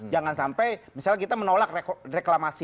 jangan sampai misalnya kita menolak reklamasi